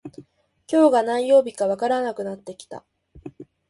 今日が何曜日かわからなくなってきた